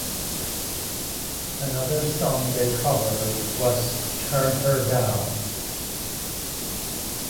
Another song they covered was "Turn Her Down".